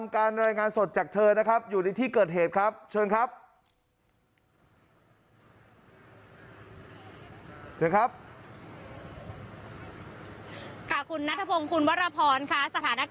ครุ่นศิริวัณบอกว่า